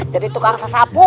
jadi tukang sesapu